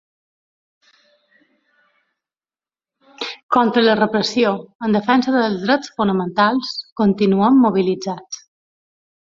Contra la repressió, en defensa dels drets fonamentals, continuem mobilitzats.